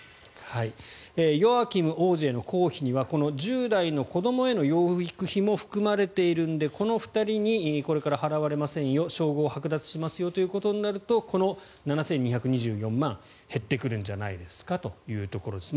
ヨアキム王子への公費にはこの１０代の子どもへの養育費も含まれているのでこの２人にこれから払われませんよ称号はく奪しますよということになるとこの７２２４万が減ってくるんじゃないですかというところです。